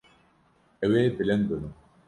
Ew ê bilind bibin.